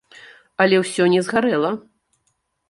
Але ўсё не згарэла.